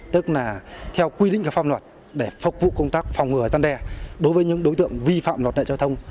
tức là theo quy định của pháp luật để phục vụ công tác phòng ngừa gian đe đối với những đối tượng vi phạm luật lệ giao thông